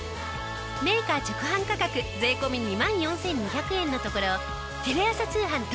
メーカー直販価格税込２万４２００円のところテレ朝通販